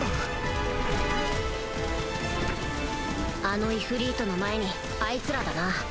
あのイフリートの前にあいつらだな。